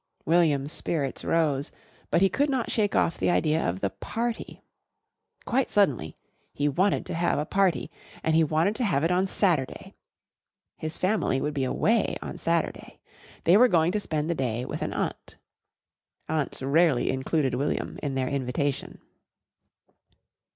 William's spirits rose, but he could not shake off the idea of the party. Quite suddenly he wanted to have a party and he wanted to have it on Saturday. His family would be away on Saturday. They were going to spend the day with an aunt. Aunts rarely included William in their invitation.